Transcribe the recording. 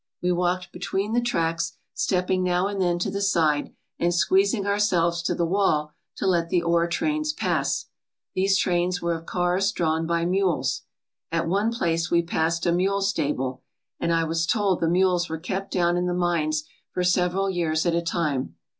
We walked between the tracks, stepping now and then to the side, and squeezing ourselves to the wall to let the ore trains pass. These trains were of cars drawn by mules. At one place we passed a mule stable, and I was told the mules were kept down in the mines for several years at a time.